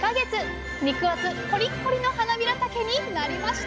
肉厚コリッコリのはなびらたけになりました！